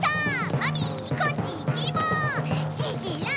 マミー！